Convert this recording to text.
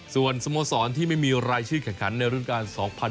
ส่วนสโมสรที่ไม่มีรายชื่อแข่งขันในรุ่นการ๒๐๑๖